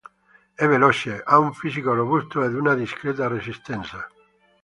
È veloce, ha un fisico robusto ed una discreta resistenza.